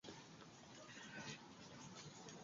Planta con cepa poco ramificada.